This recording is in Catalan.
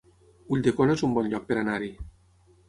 Ulldecona es un bon lloc per anar-hi